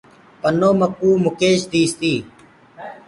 پنو ميوُ مُڪيش ديس تي۔